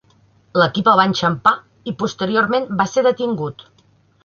L'equip el va enxampar i posteriorment va ser detingut.